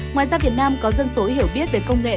ngoài ra việt nam có dân số hiểu biết về công nghệ